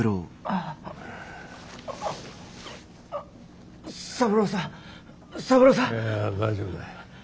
いや大丈夫だよ。